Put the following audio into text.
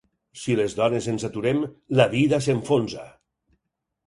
Si les dones ens aturem, la vida s’enfonsa !